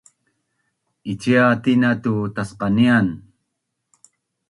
Ciatina tu’tacqanian